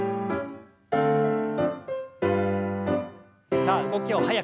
さあ動きを早く。